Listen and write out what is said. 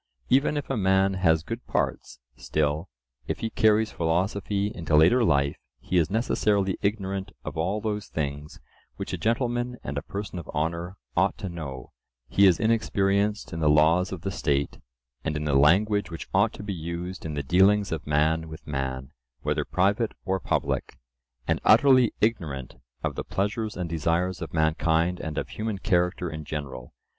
Even if a man has good parts, still, if he carries philosophy into later life, he is necessarily ignorant of all those things which a gentleman and a person of honour ought to know; he is inexperienced in the laws of the State, and in the language which ought to be used in the dealings of man with man, whether private or public, and utterly ignorant of the pleasures and desires of mankind and of human character in general.